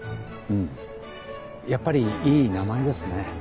うんやっぱりいい名前ですね。